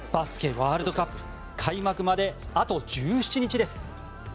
ワールドカップ開幕まであと１７日です。